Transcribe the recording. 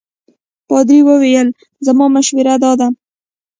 پادري وویل زما مشوره دا ده.